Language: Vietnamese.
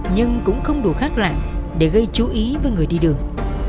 nhưng cũng không đủ khác lại để gây chú ý với người đi đường